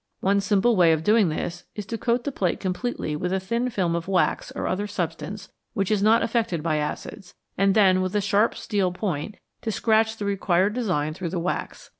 One simple way of doing this is to coat the plate com pletely with a thin film of wax or other substance which is not affected by acids, and then with a sharp steel point to scratch the required design through the wax.